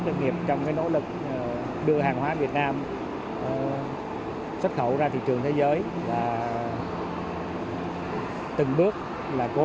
doanh nghiệp trong nỗ lực đưa hàng hóa việt nam xuất khẩu ra thị trường thế giới từng bước cố